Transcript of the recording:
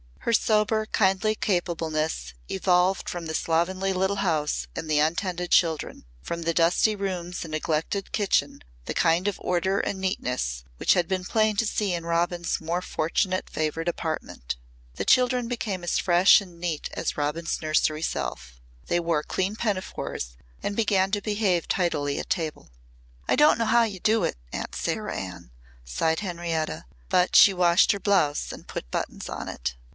Her sober, kindly capableness evolved from the slovenly little house and the untended children, from the dusty rooms and neglected kitchen the kind of order and neatness which had been plain to see in Robin's more fortune favoured apartment. The children became as fresh and neat as Robin's nursery self. They wore clean pinafores and began to behave tidily at table. "I don't know how you do it, Aunt Sarah Ann," sighed Henrietta. But she washed her blouse and put buttons on it.